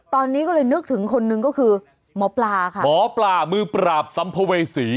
ตอนนี้ก็เลยนึกถึงคนนึงก็คือหมอปลาค่ะหมอปลามือปราบสัมภเวษี